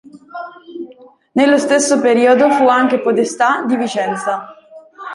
Nello stesso periodo fu anche Podestà di Vicenza.